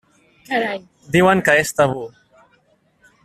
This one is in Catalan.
Diuen que és tabú.